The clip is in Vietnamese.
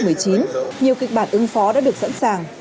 nhiều kịch bản ứng phó đã được sẵn sàng